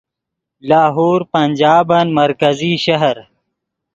لاہور پنجابن مرکزی شہر